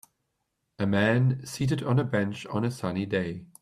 A man seated on a bench on a sunny day.